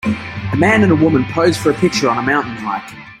A man and woman posing for a picture on a mountain hike.